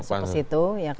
masuk ke pansus